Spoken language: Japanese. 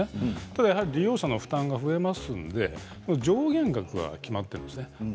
ただ利用者の負担が増えるので上限額が決まっています。